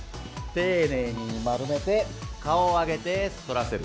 丁寧に丸めて顔を上げて反らせる。